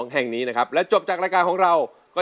แห่งนี้นะครับและจบจากรายการของเราก็